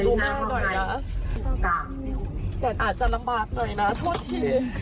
พัดสั่งดูแม่หน่อยล่ะผมอาจจะลำบากหน่อยนะทวดที